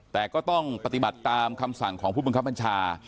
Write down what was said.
แต่ก็ต้องปฏิบัติตามคำสั่งของผู้บังคับบัญชา